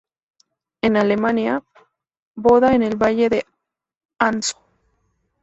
En Alemania, "Boda en el valle de Ansó".